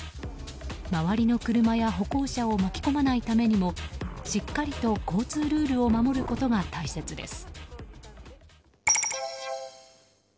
周りの車や歩行者を巻き込まないためにもしっかりと交通ルールを守ることが大切です。